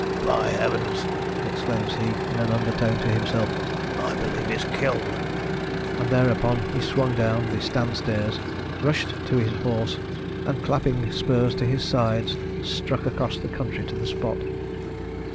'By Heavens!' exclaims he, in an undertone to himself, 'I believe he's killed!' And thereupon he swung down the stand stairs, rushed to his horse, and, clapping spurs to his sides, struck across the country to the spot.